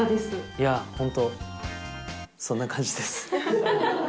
いや、本当、そんな感じです。